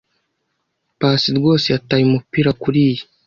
Pacy rwose yataye umupira kuriyi.